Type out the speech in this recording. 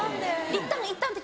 ・いったんいったん敵。